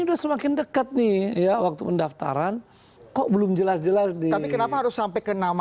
udah semakin dekat nih ya waktu mendaftaran kok belum jelas jelas nih tapi kenapa harus sampai ke tempat yang lain ya